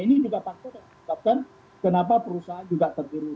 ini juga faktor yang menyebabkan kenapa perusahaan juga terburu